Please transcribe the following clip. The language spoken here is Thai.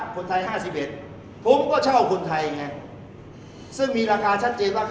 คนไทย๕๑ผมก็เช่าคนไทยไง